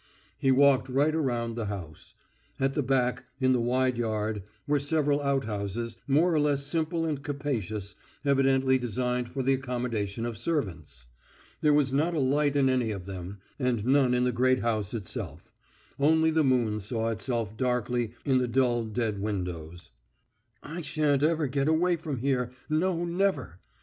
He walked right round the house. At the back, in the wide yard, were several outhouses more or less simple and capacious, evidently designed for the accommodation of servants. There was not a light in any of them, and none in the great house itself; only the moon saw itself darkly in the dull dead windows. "I shan't ever get away from here; no, never!"